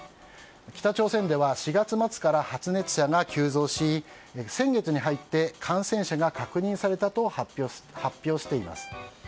北朝鮮では４月末から発熱者が急増し先月に入って感染者が確認されたと発表しています。